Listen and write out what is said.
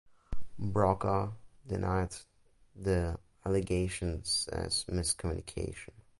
Brokaw denied the allegations as miscommunication.